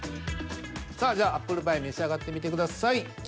さあじゃあアップルパイ召し上がってみてください。